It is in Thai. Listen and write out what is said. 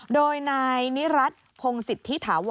โดยในนิรัติพงศิษย์ที่ถาวร